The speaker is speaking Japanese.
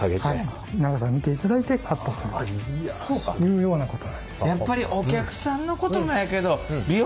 長さ見ていただいてカットするというようなことなんです。